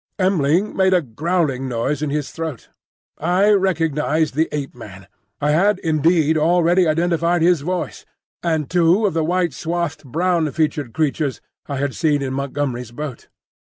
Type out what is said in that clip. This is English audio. M'ling made a growling noise in his throat. I recognised the Ape man: I had indeed already identified his voice, and two of the white swathed brown featured creatures I had seen in Montgomery's boat.